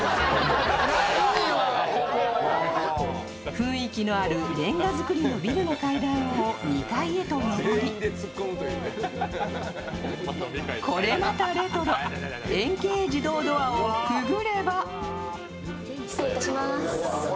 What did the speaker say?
雰囲気のあるれんが造りのビルの階段を２階へと上りこれまたレトロ、円形自動ドアをくぐれば失礼いたしまーす。